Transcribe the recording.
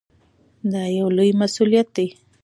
دا یو لوی مسؤلیت دی.